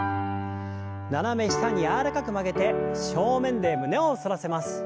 斜め下に柔らかく曲げて正面で胸を反らせます。